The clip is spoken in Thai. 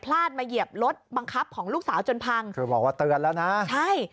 พลาดมาเหยียบรถบังคับของลูกสาวจนพังคือบอกว่าเตือนแล้วนะใช่